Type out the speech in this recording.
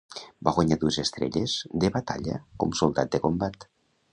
Va guanyar dues Estrelles de Batalla com Soldat de Combat.